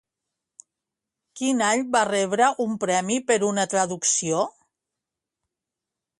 Quin any va rebre un premi per una traducció?